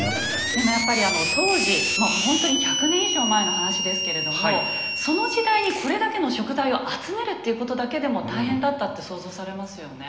でもやっぱり当時まあもうほんとに１００年以上前の話ですけれどもその時代にこれだけの食材を集めるっていうことだけでも大変だったって想像されますよね。